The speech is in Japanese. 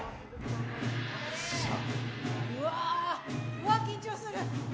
うわあ、緊張する！